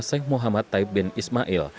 syekh muhammad taib bin ismail